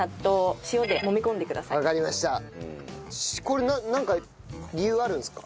これなんか理由あるんですか？